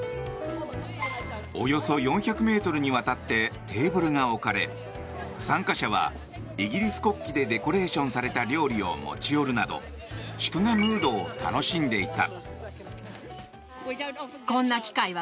およそ４００ｍにわたってテーブルが置かれ参加者は、イギリス国旗でデコレーションされた料理を持ち寄るなど祝賀ムードを楽しんでいた。